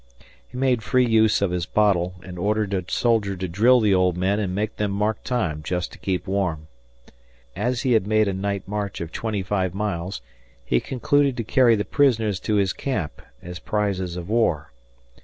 He made free use of his bottle and ordered a soldier to drill the old men and make them mark time just to keep warm. As he had made a night march of twenty five miles, he concluded to carry the prisoners to his camp as prizes of war.